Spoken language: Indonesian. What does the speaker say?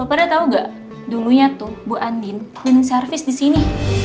eh lu pada tau gak dulunya tuh bu andin bingung servis disini